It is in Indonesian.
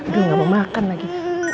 dia nggak mau makan lagi